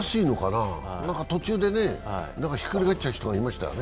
途中でね、ひっくりかえっちゃう人がいましたね。